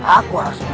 aku akan cristi